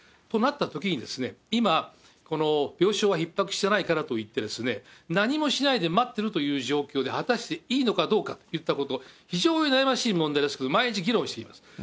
となったときに、今、病床はひっ迫してないからといって、何もしないで待ってるという状況で果たしていいのかどうかといったこと、非常に悩ましい問題ですけれども、毎日議論しています。